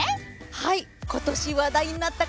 はい！